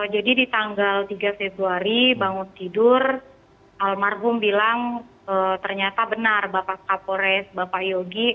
jadi di tanggal tiga februari bangun tidur almarhum bilang ternyata benar bapak kapolres bapak yogi